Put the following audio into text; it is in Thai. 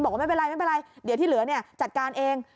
บอกว่าไม่เป็นไรเดี๋ยวที่เหลือจัดการเอง